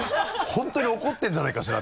本当に怒ってるんじゃないかしら？